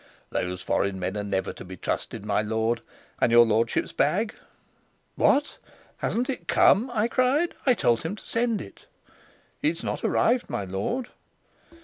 "Those foreign men are never to be trusted, my lord. And your lordship's bag?" "What, hasn't it come?" I cried. "I told him to send it." "It's not arrived, my lord."